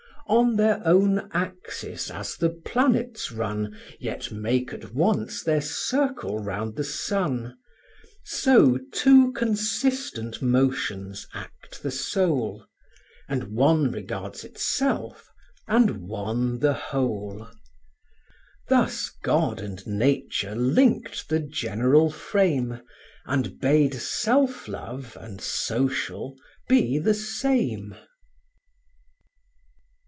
On their own axis as the planets run, Yet make at once their circle round the sun; So two consistent motions act the soul; And one regards itself, and one the whole. Thus God and Nature linked the general frame, And bade self love and social be the same.